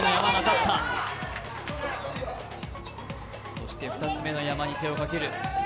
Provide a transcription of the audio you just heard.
そして２つ目の山に手をかける。